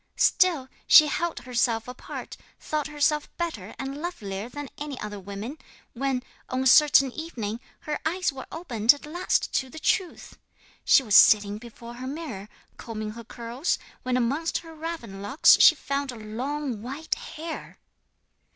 Still she held herself apart, thought herself better and lovelier than other women, when, on a certain evening, her eyes were opened at last to the truth. She was sitting before her mirror, combing her curls, when amongst her raven locks she found a long white hair!